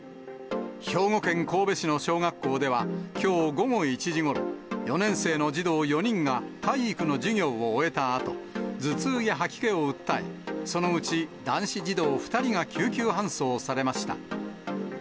兵庫県神戸市の小学校では、きょう午後１時ごろ、４年生の児童４人が体育の授業を終えたあと、頭痛や吐き気を訴え、そのうち、男子児童２人が救急搬送されました。